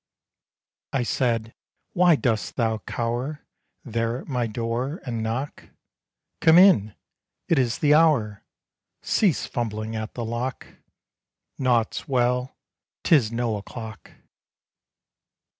I said, _Why dost thou cower There at my door and knock? Come in! It is the hour! Cease fumbling at the lock! Naught's well! 'Tis no o'clock!